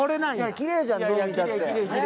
綺麗じゃんどう見たって。